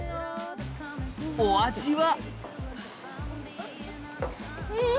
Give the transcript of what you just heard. お味は？